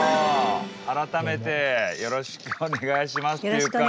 改めてよろしくお願いしますというか。